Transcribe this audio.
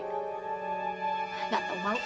gak tahu malu